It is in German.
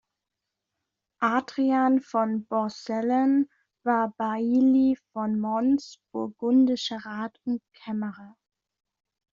Adrian von Borsselen war Bailli von Mons, burgundischer Rat und Kämmerer.